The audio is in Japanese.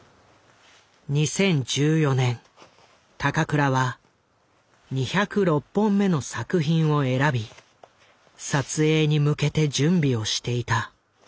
２０１４年高倉は２０６本目の作品を選び撮影に向けて準備をしていた。